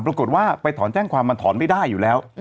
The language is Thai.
ปรากฏว่าไปถอนแจ้งความมันถอนไม่ได้อยู่แล้ว